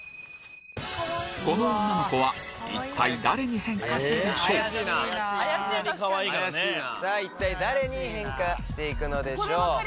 この女の子はさぁ一体誰に変化して行くのでしょう？